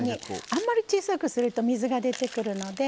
あんまり小さくすると水が出てくるので。